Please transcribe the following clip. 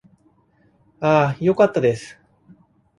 ああ、よかったです。